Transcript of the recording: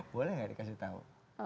boleh enggak dikasih tahu